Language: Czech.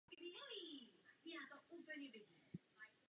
Jeho děti zemřely v dětství a tak jeho majetek připadl králi.